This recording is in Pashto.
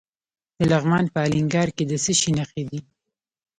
د لغمان په الینګار کې د څه شي نښې دي؟